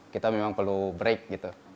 kita memang perlu break gitu